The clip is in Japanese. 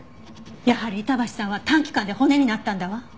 やはり板橋さんは短期間で骨になったんだわ。